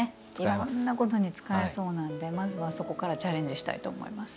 いろんなことに使えそうなのであそこからチャレンジしたいと思います。